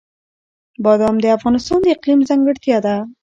بادام د افغانستان د اقلیم ځانګړتیا ده.